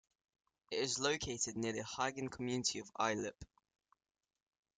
It is located near the Hagen community of Eilpe.